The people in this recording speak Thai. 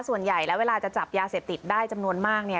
ส่วนใหญ่แล้วเวลาจะจับยาเสพติดได้จำนวนมากเนี่ย